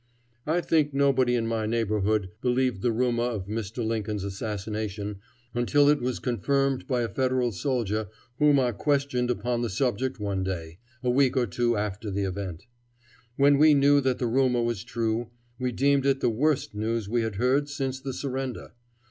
I think nobody in my neighborhood believed the rumor of Mr. Lincoln's assassination until it was confirmed by a Federal soldier whom I questioned upon the subject one day, a week or two after the event. When we knew that the rumor was true, we deemed it the worst news we had heard since the surrender.